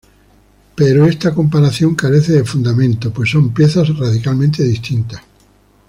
Pero esta comparación carece de fundamento, pues son piezas radicalmente distintas.